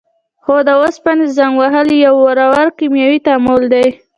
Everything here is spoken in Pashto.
هو د اوسپنې زنګ وهل یو ورو کیمیاوي تعامل دی.